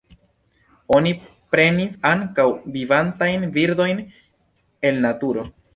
Oni prenis ankaŭ vivantajn birdojn el naturo.